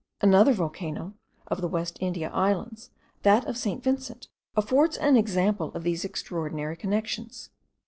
Another volcano of the West India Islands, that of St. Vincent, affords an example of these extraordinary connections.